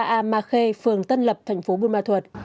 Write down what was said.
ba a ma khê phường tân lập thành phố bùi ma thuật